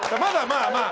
まあまあ。